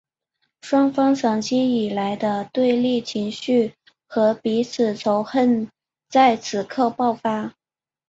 双方长期以来的对立情绪和彼此仇恨在此刻爆发。